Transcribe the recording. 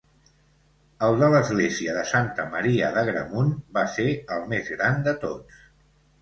El de l’església de Santa Maria d’Agramunt va ser el més gran de tots.